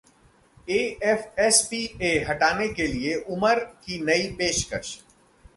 AFSPA हटाने के लिए उमर की नई पेशकश